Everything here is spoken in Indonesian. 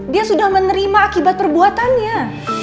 dia sudah menerima akibat perbuatannya